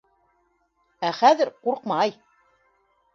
Ә хәҙер ҡурҡмай.